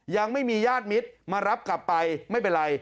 ยังไม่มีญาติมิตรมารับกลับไปไม่เป็นไร